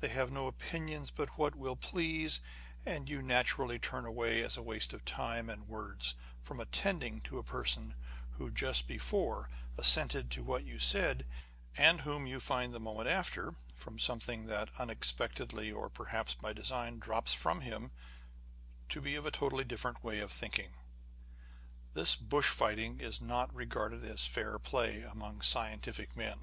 They have no opinions but what will please ; and you naturally turn away, as a waste of time and words, from attending to a person who just before assented to what you said, and whom you find the moment after, from something that unexpectedly or perhaps by design drops from him, to be of a totally different way of thinking. This bush fighting is not regarded as fair play among scientific men.